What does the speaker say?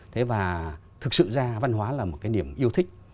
thế và thực sự ra văn hóa là một cái niềm yêu thích